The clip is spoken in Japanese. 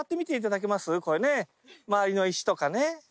これね周りの石とかね